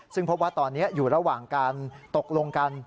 ซึ่งพบว่าตอนนี้อยู่ระหว่างการตกลงกัน